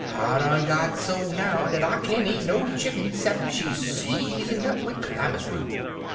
I done got so now dat I can't eat no chicken 'ceppin she's seasoned up wid calamus root.'